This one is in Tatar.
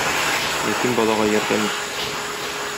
Ятим балага ярдәм ит.